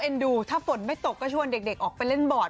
ดูถ้าฝนไม่ตกก็ชวนเด็กออกไปเล่นบอร์ด